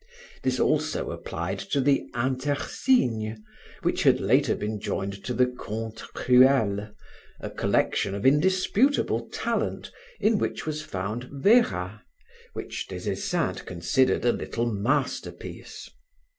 This also applied to the Intersigne, which had later been joined to the Contes cruels, a collection of indisputable talent in which was found Vera, which Des Esseintes considered a little masterpiece.